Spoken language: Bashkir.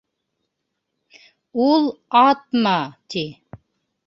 Ул «атма», ти.